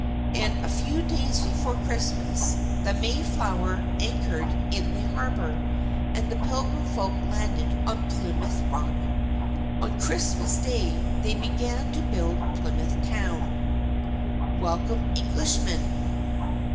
And a few days before Christmas, the Mayflower anchored in the harbour, and the Pilgrim folk landed on Plymouth Rock. On Christmas day, they began to build Plymouth Town. WELCOME, ENGLISHMEN!